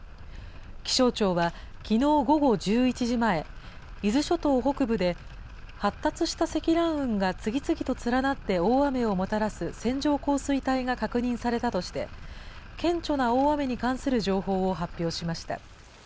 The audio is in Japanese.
気象庁は、きのう午後１１時前、伊豆諸島北部で発達した積乱雲が次々と連なって大雨をもたらす線状降水帯が確認されたとして、顕著な大雨に関する情報を発表しました。